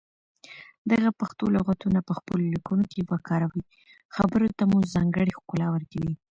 دغه پښتو لغتونه په خپلو ليکنو کې وکاروئ خبرو ته مو ځانګړې ښکلا ورکوي.